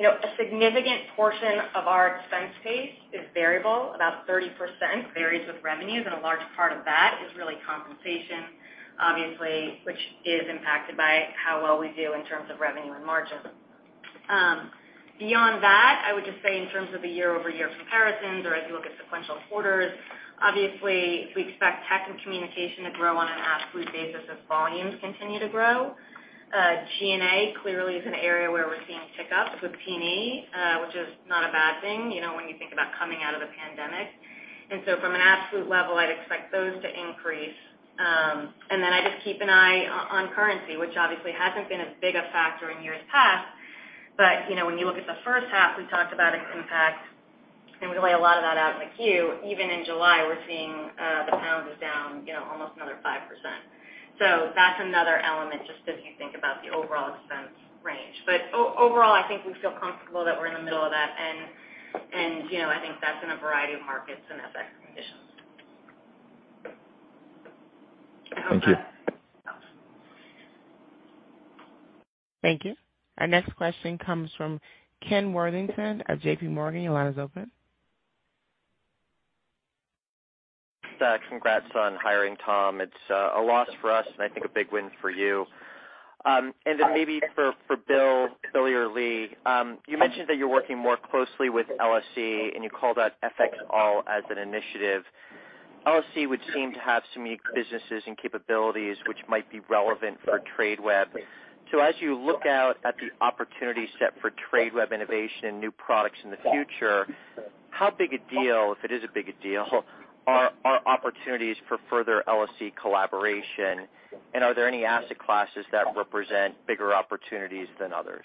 Speaker 5: you know, a significant portion of our expense base is variable. About 30% varies with revenues, and a large part of that is really compensation, obviously, which is impacted by how well we do in terms of revenue and margins. Beyond that, I would just say in terms of the year-over-year comparisons or as you look at sequential quarters, obviously, we expect tech and communication to grow on an absolute basis as volumes continue to grow. G&A clearly is an area where we're seeing tick up with T&E, which is not a bad thing, you know, when you think about coming out of the pandemic. From an absolute level, I'd expect those to increase. I just keep an eye on currency, which obviously hasn't been as big a factor in years past. You know, when you look at the first half, we talked about an impact, and we lay a lot of that out in the Q. Even in July, we're seeing the pound is down, you know, almost another 5%. That's another element, just as you think about the overall expense range. Overall, I think we feel comfortable that we're in the middle of that. You know, I think that's in a variety of markets and FX conditions.
Speaker 11: Thank you.
Speaker 1: Thank you. Our next question comes from Kenneth Worthington of JPMorgan. Your line is open.
Speaker 12: Zach, congrats on hiring Tom. It's a loss for us and I think a big win for you. Maybe for Billy or Lee, you mentioned that you're working more closely with LSEG, and you call that FXall as an initiative. LSEG would seem to have some unique businesses and capabilities which might be relevant for Tradeweb. As you look out at the opportunity set for Tradeweb innovation and new products in the future, how big a deal, if it is a big deal, are opportunities for further LSEG collaboration, and are there any asset classes that represent bigger opportunities than others?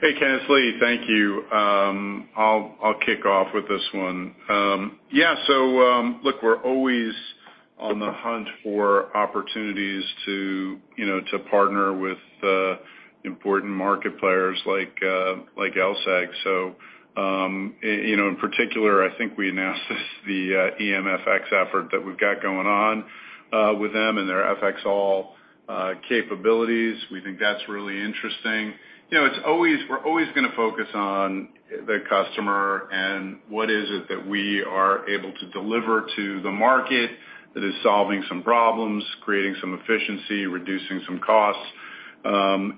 Speaker 3: Hey, Kenneth. Lee, thank you. I'll kick off with this one. Yeah, so, look, we're always on the hunt for opportunities to, you know, to partner with important market players like LSEG. You know, in particular, I think we announced the EM FX effort that we've got going on with them and their FXall capabilities. We think that's really interesting. You know, it's always. We're always gonna focus on the customer and what is it that we are able to deliver to the market that is solving some problems, creating some efficiency, reducing some costs.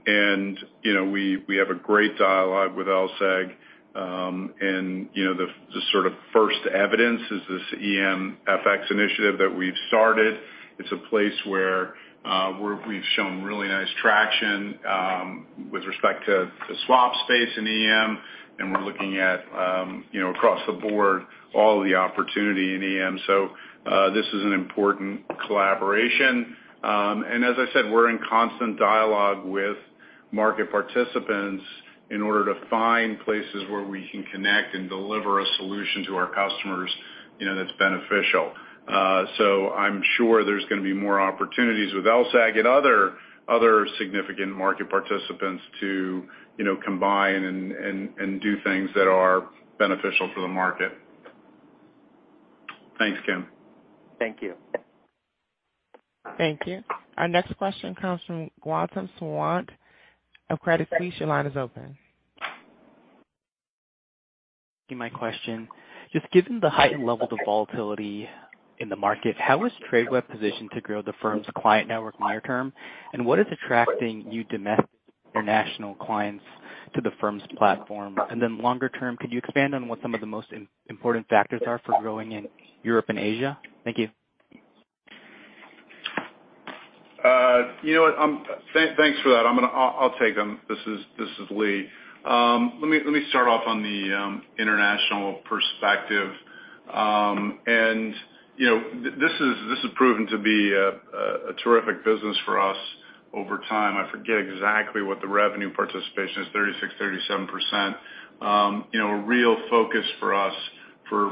Speaker 3: You know, we have a great dialogue with LSEG, and, you know, the sort of first evidence is this EM FX initiative that we've started. It's a place where we've shown really nice traction with respect to the swap space in EM, and we're looking at, you know, across the board, all of the opportunity in EM. This is an important collaboration. As I said, we're in constant dialogue with market participants in order to find places where we can connect and deliver a solution to our customers, you know, that's beneficial. I'm sure there's gonna be more opportunities with LSEG and other significant market participants to, you know, combine and do things that are beneficial to the market. Thanks, Ken.
Speaker 12: Thank you.
Speaker 1: Thank you. Our next question comes from Gautam Sawant of Credit Suisse. Your line is open.
Speaker 13: My question, just given the heightened level of volatility in the market, how is Tradeweb positioned to grow the firm's client network near-term? What is attracting new domestic or national clients to the firm's platform? Longer term, could you expand on what some of the most important factors are for growing in Europe and Asia? Thank you.
Speaker 3: You know what? Thanks for that. I'll take them. This is Lee. Let me start off on the international perspective. You know, this has proven to be a terrific business for us over time. I forget exactly what the revenue participation is, 36%-37%. You know, a real focus for us,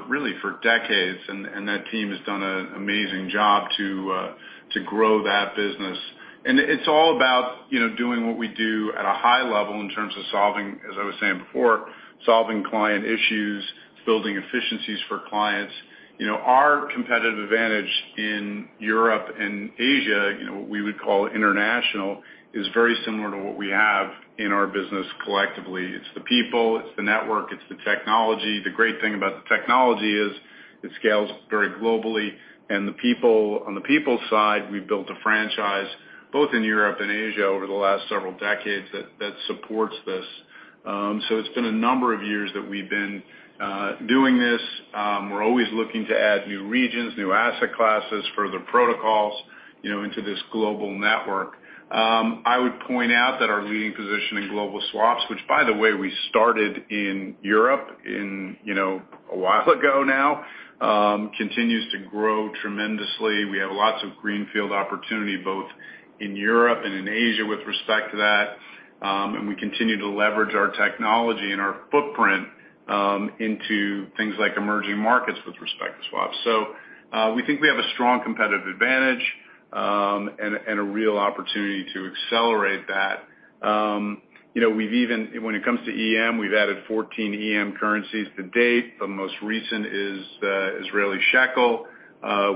Speaker 3: really for decades, and that team has done an amazing job to grow that business. It's all about, you know, doing what we do at a high level in terms of solving, as I was saying before, solving client issues, building efficiencies for clients. You know, our competitive advantage in Europe and Asia, you know, what we would call international, is very similar to what we have in our business collectively. It's the people, it's the network, it's the technology. The great thing about the technology is it scales very globally, and the people, on the people side, we've built a franchise both in Europe and Asia over the last several decades that supports this. It's been a number of years that we've been doing this. We're always looking to add new regions, new asset classes, further protocols, you know, into this global network. I would point out that our leading position in Global Swaps, which by the way, we started in Europe, you know, a while ago now, continues to grow tremendously. We have lots of greenfield opportunity both in Europe and in Asia with respect to that. We continue to leverage our technology and our footprint into things like emerging markets with respect to swaps. We think we have a strong competitive advantage, and a real opportunity to accelerate that. When it comes to EM, we've added 14 EM currencies to date. The most recent is the Israeli shekel,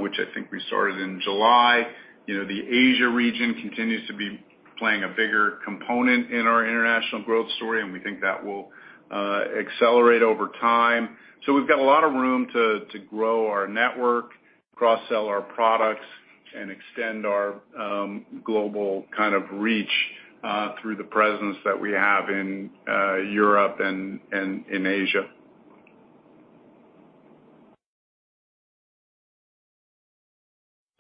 Speaker 3: which I think we started in July. The Asia region continues to be playing a bigger component in our international growth story, and we think that will accelerate over time. We've got a lot of room to grow our network, cross-sell our products, and extend our global kind of reach through the presence that we have in Europe and in Asia.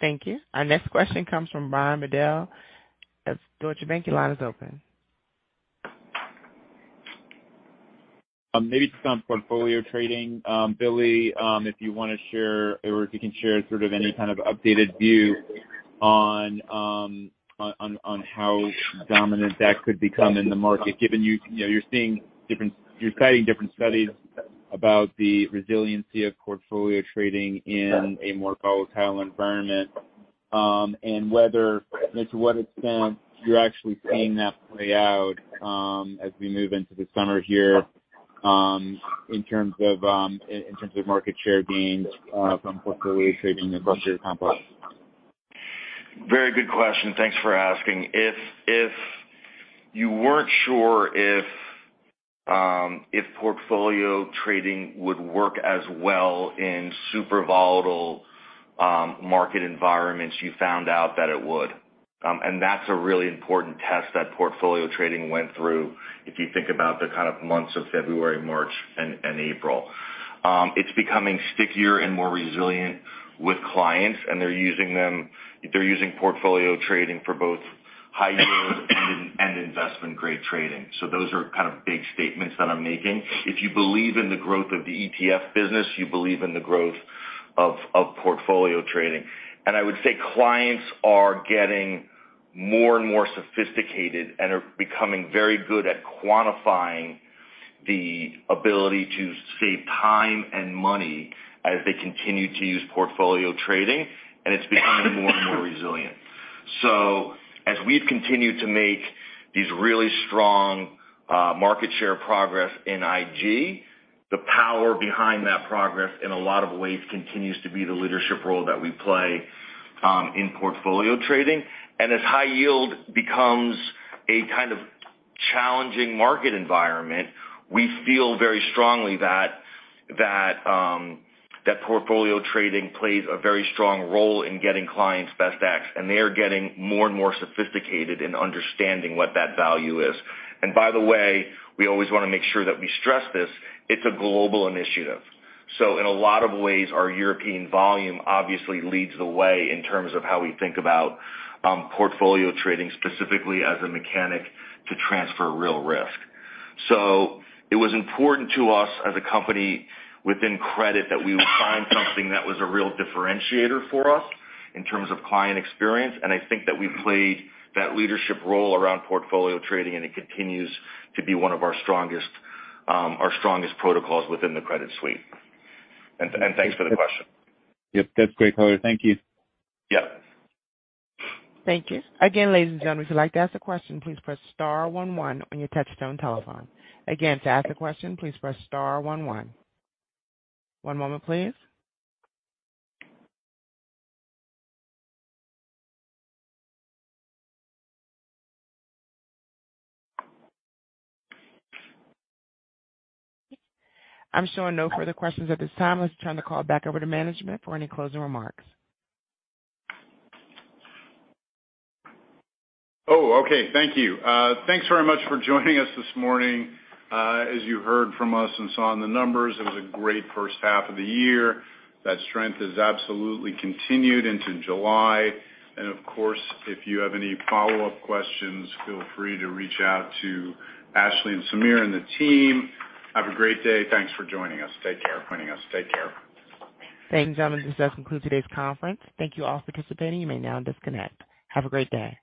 Speaker 1: Thank you. Our next question comes from Brian Bedell of Deutsche Bank. Your line is open.
Speaker 14: Maybe just on portfolio trading. Billy, if you want to share or if you can share sort of any kind of updated view on how dominant that could become in the market, given you know you're citing different studies about the resiliency of portfolio trading in a more volatile environment, and whether and to what extent you're actually seeing that play out, as we move into the summer here, in terms of market share gains from portfolio trading across your complex.
Speaker 4: Very good question. Thanks for asking. If you weren't sure if portfolio trading would work as well in super volatile market environments, you found out that it would. That's a really important test that portfolio trading went through if you think about the kind of months of February, March and April. It's becoming stickier and more resilient with clients, and they're using portfolio trading for both high yield and investment-grade trading. Those are kind of big statements that I'm making. If you believe in the growth of the ETF business, you believe in the growth of portfolio trading. I would say clients are getting more and more sophisticated and are becoming very good at quantifying the ability to save time and money as they continue to use portfolio trading, and it's becoming more and more resilient. As we've continued to make these really strong market share progress in IG, the power behind that progress in a lot of ways continues to be the leadership role that we play in portfolio trading. As high yield becomes a kind of challenging market environment, we feel very strongly that portfolio trading plays a very strong role in getting clients best ex, and they are getting more and more sophisticated in understanding what that value is. By the way, we always wanna make sure that we stress this, it's a global initiative. In a lot of ways, our European volume obviously leads the way in terms of how we think about portfolio trading, specifically as a mechanic to transfer real risk. It was important to us as a company within Credit that we would find something that was a real differentiator for us in terms of client experience. I think that we played that leadership role around portfolio trading, and it continues to be one of our strongest protocols within the Credit suite. Thanks for the question.
Speaker 14: Yep, that's great, Billy. Thank you.
Speaker 4: Yeah.
Speaker 1: Thank you. Again, ladies and gentlemen, if you'd like to ask a question, please press star one one on your touch-tone telephone. Again, to ask a question, please press star one one. One moment, please. I'm showing no further questions at this time. Let's turn the call back over to management for any closing remarks.
Speaker 3: Oh, okay. Thank you. Thanks very much for joining us this morning. As you heard from us and saw in the numbers, it was a great first half of the year. That strength has absolutely continued into July. Of course, if you have any follow-up questions, feel free to reach out to Ashley and Sameer and the team. Have a great day. Thanks for joining us. Take care.
Speaker 1: Thanks, gentlemen. This does conclude today's conference. Thank you all for participating. You may now disconnect. Have a great day.